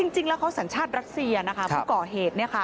จริงแล้วเขาสัญชาติรัสเซียนะคะผู้ก่อเหตุ